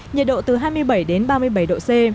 nhiệt độ từ hai mươi bảy đến ba mươi bảy độ c